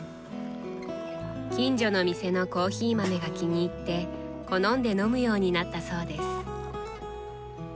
近所の店のコーヒー豆が気に入って好んで飲むようになったそうです。